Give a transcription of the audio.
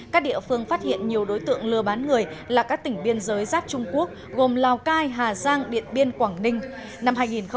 các địa phương phát hiện nhiều đối tượng lừa bán người là các tỉnh biên giới giáp trung quốc gồm lào cai hà giang điện biên quảng ninh